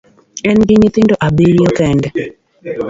En gi nyithindo abiriyo kende